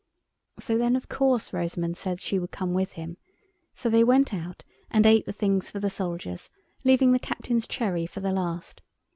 So then of course Rosamund said she would come with him, so they went out and ate the things for the soldiers, leaving the Captain's cherry for the last.